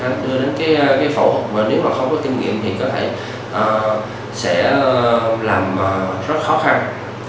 nó đưa đến cái phẫu thuật mà nếu mà không có kinh nghiệm thì có thể sẽ làm rất khó khăn